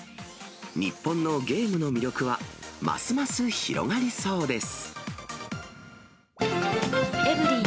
日本のゲームの魅力は、ますます広がりそうです。